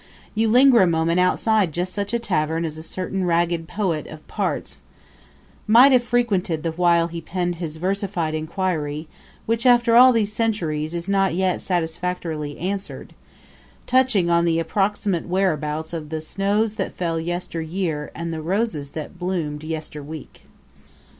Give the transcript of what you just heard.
You linger a moment outside just such a tavern as a certain ragged poet of parts might have frequented the while he penned his versified inquiry which after all these centuries is not yet satisfactorily answered, touching on the approximate whereabouts of the snows that fell yesteryear and the roses that bloomed yesterweek.